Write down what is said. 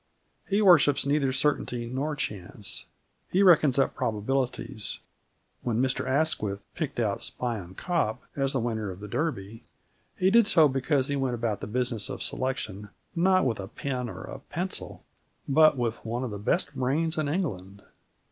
He worships neither certainty nor chance. He reckons up probabilities. When Mr Asquith picked out Spion Kop as the winner of the Derby, he did so because he went about the business of selection not with a pin or a pencil, but with one of the best brains in England.